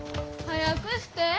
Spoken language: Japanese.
早くして。